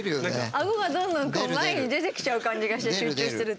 アゴがどんどんこう前に出てきちゃう感じがして集中すると。